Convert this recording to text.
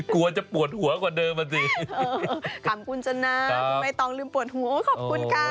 กลัวจะปวดหัวกว่าเดิมอ่ะสิขอบคุณชนะคุณใบตองลืมปวดหัวขอบคุณค่ะ